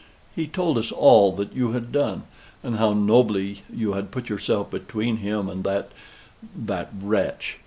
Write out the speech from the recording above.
He told us all that you had done, and how nobly you had put yourself between him and that that wretch."